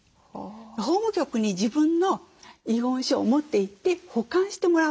法務局に自分の遺言書を持っていって保管してもらう制度。